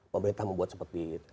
pemerintah membuat seperti